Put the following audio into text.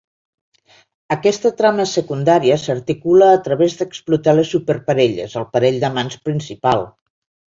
Aquesta trama secundària s'articula a través d'explotar les superparelles, el parell d'amants principal.